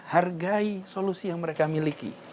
hargai solusi yang mereka miliki